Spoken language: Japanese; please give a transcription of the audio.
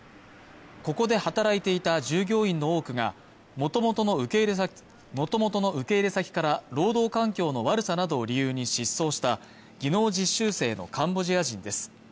ここで働いていた従業員の多くがもともとの受け入れ先から労働環境の悪さなどを理由に失踪した技能実習生のカンボジア人です